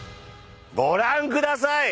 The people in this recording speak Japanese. ご覧ください。